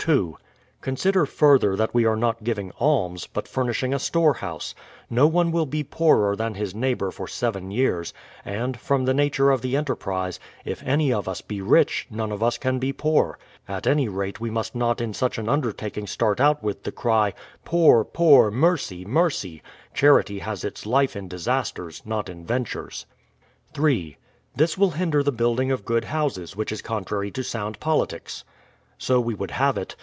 2. Consider, further, that we are not giving alms, but furnishing a store house. No one will be poorer than his neighbour for seven years ; and, from the nature of the enterprise, if any of us be rich, none of us can be poor. At any. rate we must not in such an undertaking start out with the cry, — Poor, poor; mercy, mercy ! Charity has its life in disasters, not in ventures. 3. This will hinder the building of good houses, which is contrary to sound politics :— So we would have it.